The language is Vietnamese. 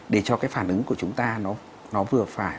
để cho cái phản ứng của chúng ta nó vừa phải